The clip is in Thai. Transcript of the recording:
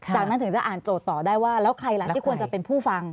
จากนั้นถึงจะอ่านโจทย์ต่อได้ว่าแล้วใครล่ะที่ควรจะเป็นผู้ฟัง